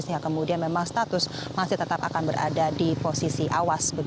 sehingga kemudian memang status masih tetap akan berada di posisi awas